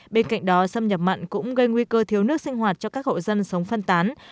bên cạnh đó xâm nhập mặn cũng gây nguy cơ thiếu nước sinh hoạt cho các hộ dân sống phân tán